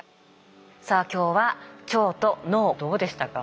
さあ今日は腸と脳どうでしたか？